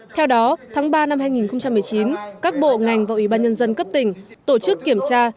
theo đó tháng ba năm hai nghìn một mươi chín các bộ ngành và ủy ban nhân dân cấp tỉnh tổ chức kiểm tra